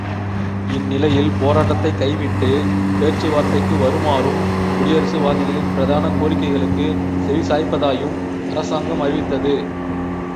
இந்நிலையில் போராட்டத்தைக் கைவிட்டு பேச்சுவார்த்தைக்கு வருமாறும் குடியரசுவாதிகளின் பிரதான கோரிக்கைகளுக்குச் செவிசாய்ப்பதாயும் அரசாங்கம் அறிவித்தது.